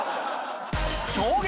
衝撃！